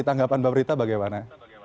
tanggapan mbak prita bagaimana